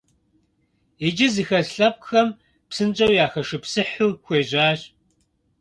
ИкӀи зыхэс лъэпкъхэм псынщӏэу яхэшыпсыхьу хуежьащ.